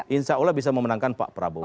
insya allah bisa memenangkan pak prabowo